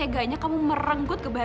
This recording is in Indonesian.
karena aku gila banget sama